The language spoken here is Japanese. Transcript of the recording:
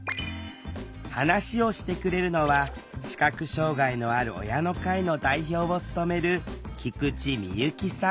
話をしてくれるのは視覚障害のある親の会の代表を務める菊地美由紀さん